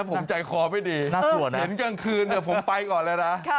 ผมใจคอไปดีเห็นกลางคืนผมไปก่อนเลยนะ